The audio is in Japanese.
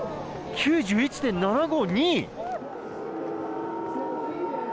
９１．７５、２位。